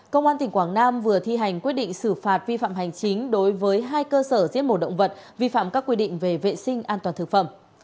công an tỉnh quảng nam vừa thi hành quyết định xử phạt vi phạm hành chính đối với hai cơ sở giết mổ động vật vi phạm các quy định về vệ sinh an toàn thực phẩm